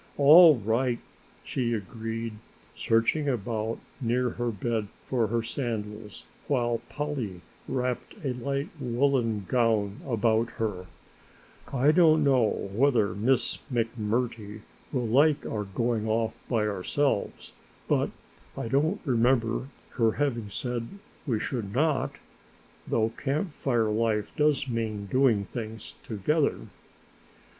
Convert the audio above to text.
"All right," she agreed, searching about near her bed for her sandals while Polly wrapped a light woolen gown about her, "I don't know whether Miss McMurtry will like our going off by ourselves, but I don't remember her having said we should not, though Camp Fire life does mean doing things together."